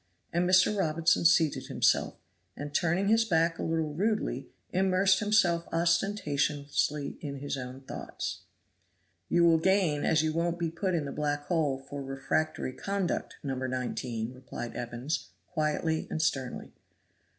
And Mr. Robinson seated himself, and turning his back a little rudely, immersed himself ostentatiously in his own thoughts. "You will gain as you won't be put in the black hole for refractory conduct, No. 19," replied Evans, quietly and sternly.